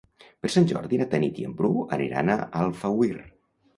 Per Sant Jordi na Tanit i en Bru aniran a Alfauir.